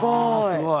すごい。